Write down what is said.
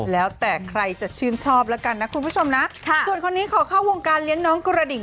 แล้วแต่ใครจะชื่นชอบแล้วกันนะคุณผู้ชมนะค่ะส่วนคนนี้ขอเข้าวงการเลี้ยงน้องกระดิ่ง